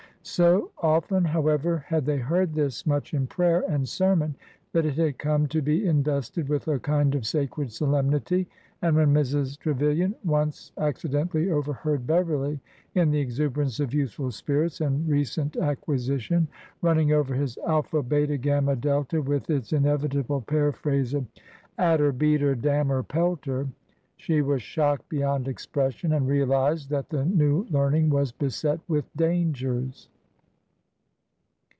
vSo often, however, had they heard this much in prayer and sermon that it had come to be invested with a kind of sacred solemnity, and when Mrs. Trevilian once acci dentally overheard Beverly, in the exuberance of youth ful spirits and recent acquisition, running over his Alpha, Beta, Gamma, Delta, with its inevitable paraphrase of '' At 'er ! Beat 'er ! Damn 'er ! Pelt 'er !" she was shocked beyond expression, and realized that the new learning was beset with dangers.